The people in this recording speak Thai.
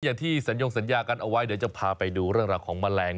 อย่างที่สัญญงสัญญากันเอาไว้เดี๋ยวจะพาไปดูเรื่องราวของแมลง